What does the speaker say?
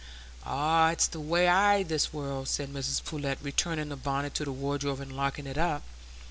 "Ah, it's the way i' this world," said Mrs Pullet, returning the bonnet to the wardrobe and locking it up.